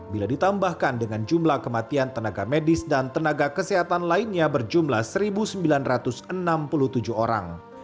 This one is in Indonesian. bila ditambahkan dengan jumlah kematian tenaga medis dan tenaga kesehatan lainnya berjumlah satu sembilan ratus enam puluh tujuh orang